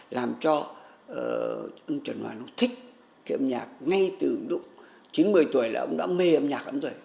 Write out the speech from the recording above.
làm cho ông trần hoàn nó thích cái âm nhạc ngay từ lúc chín mươi tuổi là ông đã mê âm nhạc lắm rồi